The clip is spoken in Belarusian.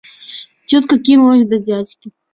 Цётка кінулася да дзядзькі.